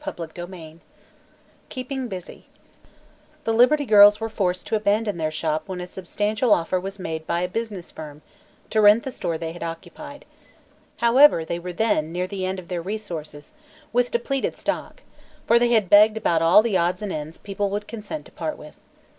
CHAPTER XXVI KEEPING BUSY The Liberty Girls were forced to abandon their Shop when a substantial offer was made by a business firm to rent the store they had occupied. However, they were then, near the end of their resources, with depleted stock, for they had begged about all the odds and ends people would consent to part with.